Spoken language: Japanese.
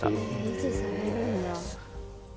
維持されるんだ。